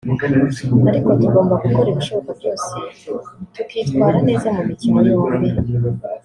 ariko tugomba gukora ibishoboka byose tukitwara neza mu mikino yombi